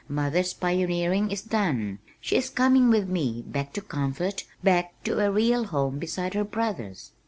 Mother's pioneering is done. She is coming with me, back to comfort, back to a real home beside her brothers."